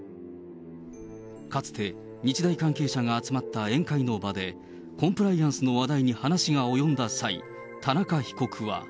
かつて日大関係者が集まった宴会の場で、コンプライアンスの話題に話が及んだ際、田中被告は。